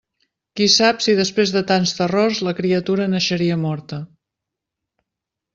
Qui sap si després de tants terrors la criatura naixeria morta?